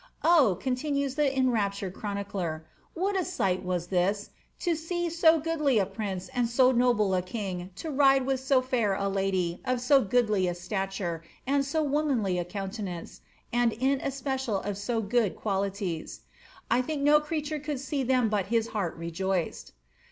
^'^ Oh P' continues the enraptured chronicler, ^ what a sight was this, to see so goodly a prince and so noble a king to ride with so fair a lady, of so goodly a stature, and so womanly a countenance, and in especial of so good qualities ; 1 think no creature could see them but his heart rejoiced.''